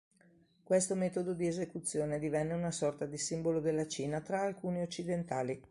Questo metodo di esecuzione divenne una sorta di simbolo della Cina tra alcuni occidentali.